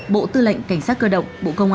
bộ tư lệnh cảnh sát cơ động